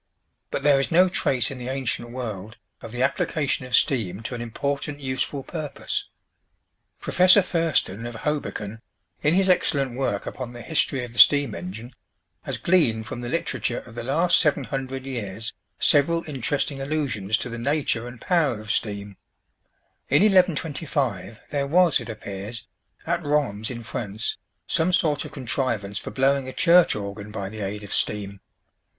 But there is no trace in the ancient world of the application of steam to an important useful purpose. Professor Thurston of Hoboken, in his excellent work upon the "History of the Steam Engine," has gleaned from the literature of the last seven hundred years several interesting allusions to the nature and power of steam. In 1125 there was, it appears, at Rheims in France, some sort of contrivance for blowing a church organ by the aid of steam.